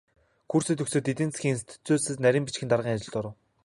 Курсээ төгсөөд эдийн засгийн институцэд нарийн бичгийн даргын ажилд оров.